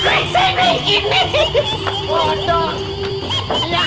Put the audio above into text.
eh tuh berulang